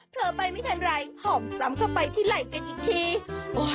เธอไปไม่ทันไรหอบซ้ำเข้าไปที่ไหล่กันอีกที